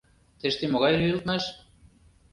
— Тыште могай лӱйылтмаш?